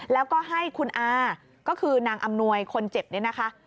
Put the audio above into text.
แล้วก็ให้คุณอาก็คือนางอำนวยคนเจ็บเนี่ยนะคะ